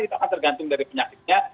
itu akan tergantung dari penyakitnya